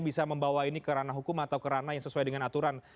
bisa membawa ini ke ranah hukum atau kerana yang sesuai dengan aturan